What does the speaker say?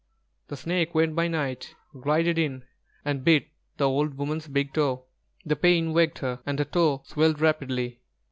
The snake went by night, glided in and bit the old woman's big toe. The pain waked her, and her toe swelled rapidly.